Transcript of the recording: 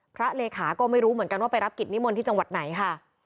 เลขาก็ไม่รู้เหมือนกันว่าไปรับกิจนิมนต์ที่จังหวัดไหนค่ะ